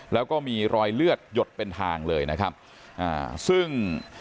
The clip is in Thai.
แล้วก็มีรอยเลือดหยดเป็นทางเลยนะครับอ่าซึ่ง